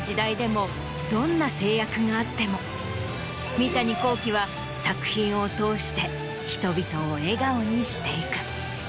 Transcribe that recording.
三谷幸喜は作品を通して人々を笑顔にしていく。